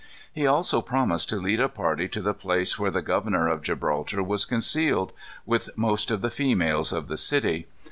He also promised to lead a party to the place where the governor of Gibraltar was concealed, with most of the females of the city.